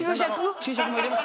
注釈も入れます。